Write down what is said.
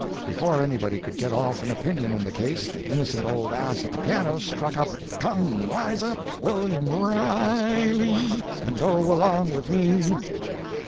"Before anybody could get off an opinion in the case the innocent old ass at the piano struck up: "Come rise up, William Ri i ley, And go along with me!